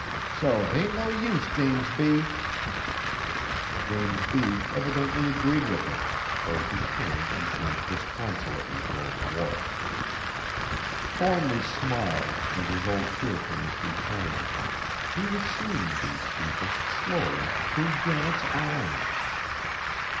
So 't ain't no use, James B." James B. evidently agreed with her, for he turned and went disconsolately toward the wharf. Thornly smiled and his old cheerfulness returned. He was seeing these people, slowly, through Janet's eyes.